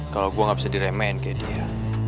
kalau gue gak bisa diremehin kayak dia